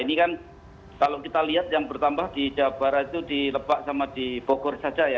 dan kalau kita lihat yang bertambah di jabara itu di lebak sama di bogor saja ya